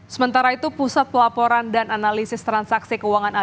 sementara itu pusat pelaporan dan analisis transaksi keuangan